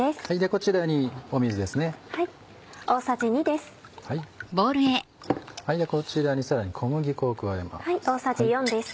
こちらにさらに小麦粉を加えます。